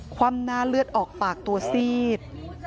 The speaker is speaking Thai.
คว่ำหน้าเลือดออกปากตัวซีด